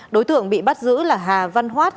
đối tượng bị bắt giữ là hà văn hoát